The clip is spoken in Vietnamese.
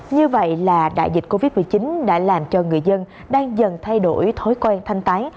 như vậy là đại dịch covid một mươi chín đã làm cho người dân đang dần thay đổi thói quen thanh tái